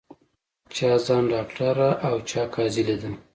چا ځان ډاکټره او چا قاضي لیده